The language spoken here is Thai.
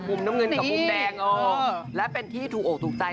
มุมน้ำเงินกับมุมแดงและเป็นที่ถูกอกถูกใจ